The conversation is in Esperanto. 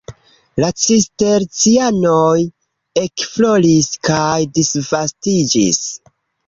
La Cistercianoj ekfloris kaj disvastiĝis.